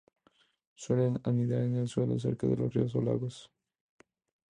Suelen anidar en el suelo cerca de ríos o lagos.